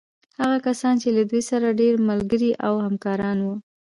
هغه کسان چې له دوی سره ډېر ملګري او همکاران وو.